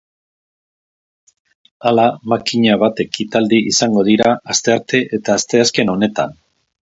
Hala, makina bat ekitaldi izango dira astearte eta asteazken honetan.